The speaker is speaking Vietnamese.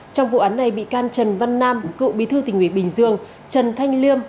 trong vụ án này bị can trần văn nam cựu bí thư tỉnh ủy bình dương trần thanh liêm